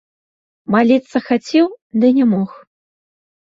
Маліцца хацеў, ды не мог.